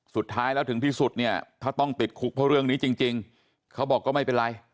สุดท้ายแล้วถึงที่สุดเนี่ยถ้าต้องติดคุกเพราะเรื่องนี้จริงเขาบอกก็ไม่เป็นไร